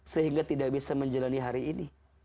sehingga tidak bisa menjalani hari ini